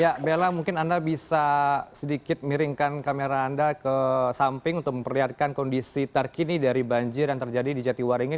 ya bella mungkin anda bisa sedikit miringkan kamera anda ke samping untuk memperlihatkan kondisi terkini dari banjir yang terjadi di jatiwaringin